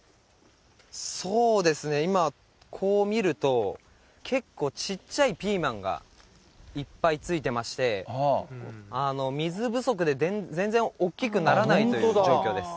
そうですね、今、こう見ると、結構ちっちゃいピーマンがいっぱいついてまして、水不足で全然おっきくならないという状況です。